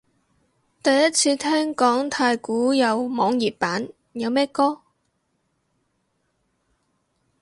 第一次聽講太鼓有網頁版，有咩歌？